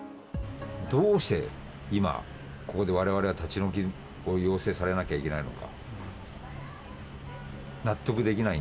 どうして今、ここでわれわれが立ち退きを要請されなきゃいけないのか。